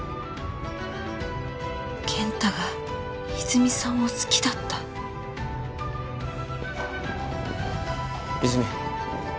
健太が泉さんを好きだった？泉。